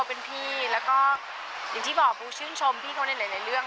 ก็ดีค่ะจริงปูอย่างที่เคยพูดตั้งแต่ต้นแล้วว่า